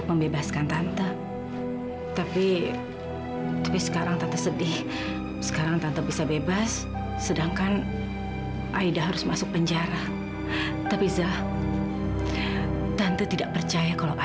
kenapa kita masih muncul